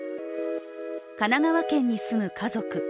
神奈川県に住む家族。